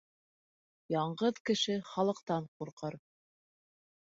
Яңғыҙ кеше халыҡтан ҡурҡыр.